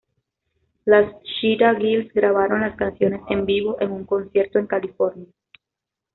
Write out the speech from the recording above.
Las Cheetah Girls grabaron las canciones en vivo en un concierto en California.